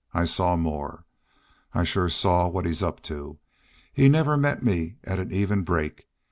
I saw more. I shore saw what he is up to. He'd never meet me at an even break.